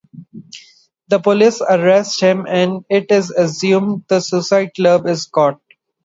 The police arrest him, and it is assumed the "Suicide Club" is caught.